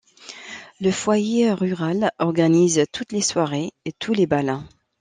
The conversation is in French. Le foyer rural organise toutes les soirées et tous les bals.